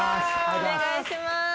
お願いします。